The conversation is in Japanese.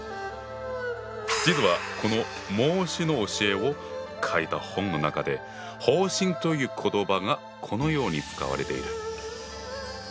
実はこの孟子の教えを書いた本の中で「放心」という言葉がこのように使われている。